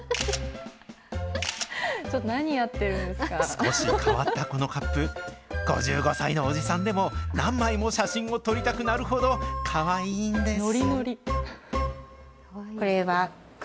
少し変わったこのカップ、５５歳のおじさんでも何枚も写真を撮りたくなるほどかわいいんです。